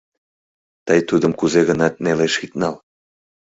Тый тудым кузе-гынат нелеш ит нал...